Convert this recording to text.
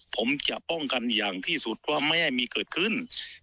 ผมจะป้องกันอย่างที่สุดว่าไม่ให้มีเกิดขึ้น